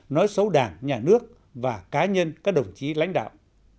nói xấu đảng nhà nước và cá nhân các đồng chí lãnh đạo